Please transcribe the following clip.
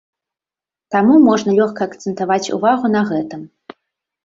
Таму можна лёгка акцэнтаваць увагу на гэтым.